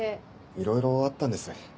いろいろあったんです。